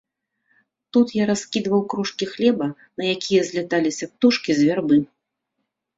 Тут я раскідваў крошкі хлеба, на якія зляталіся птушкі з вярбы.